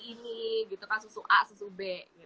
ini gitu kan susu a susu b